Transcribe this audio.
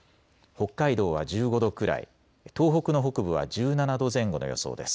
北海道は１５度くらい、東北の北部は１７度前後の予想です。